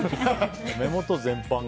目元全般が。